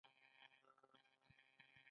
ایا د زړه ضربان مو تېز دی؟